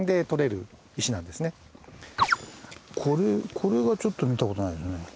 これがちょっと見た事ないですね。